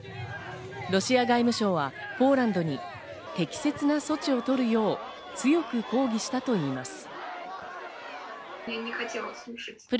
ロシア外務省はポーランドに適切な措置を取るよう強く抗議したといいます。